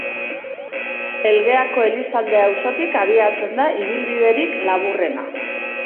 Elgeako Elizalde auzotik abiatzen da ibilbiderik laburrena.